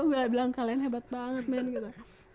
gue bilang kalian hebat banget men